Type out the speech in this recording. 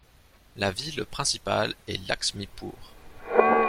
La ville principale est Lakshmipur.